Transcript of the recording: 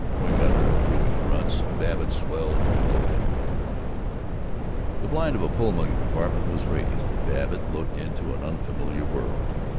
Wing uttered approving grunts and Babbitt swelled gloated The blind of a Pullman compartment was raised, and Babbitt looked into an unfamiliar world.